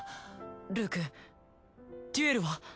ルークデュエルは？